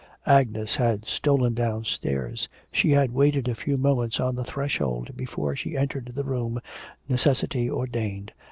Agnes had stolen downstairs. She had waited a few moments on the threshold before she entered the room necessity ordained...